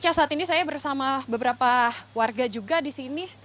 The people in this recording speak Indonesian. ya saat ini saya bersama beberapa warga juga di sini